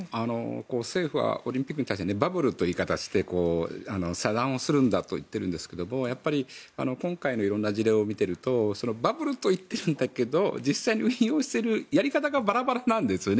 政府はオリンピックに対してバブルという言い方をして遮断をするんだと言っているんですが今回の色んな事例を見ているとバブルといってるんだけど実際に運用しているやり方がバラバラなんですよね。